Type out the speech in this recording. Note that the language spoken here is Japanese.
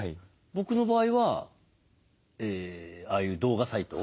僕の場合はああいう動画サイト。